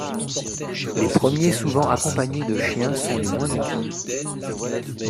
Les premiers souvent accompagnés de chiens sont les moins nombreux.